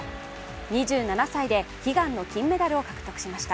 ２７歳で悲願の金メダルを獲得しました。